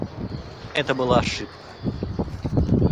Это была ошибка.